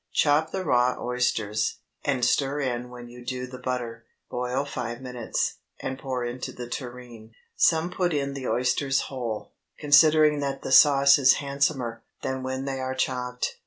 Chop the raw oysters, and stir in when you do the butter; boil five minutes, and pour into the tureen. Some put in the oysters whole, considering that the sauce is handsomer than when they are chopped.